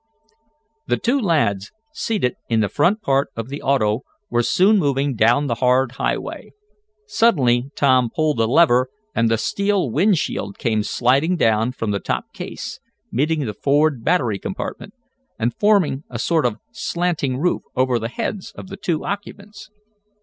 The two lads, seated in the front part of the auto, were soon moving down the hard highway. Suddenly Tom pulled a lever and the steel wind shield came sliding down from the top case, meeting the forward battery compartment, and forming a sort of slanting roof over the heads of the two occupants.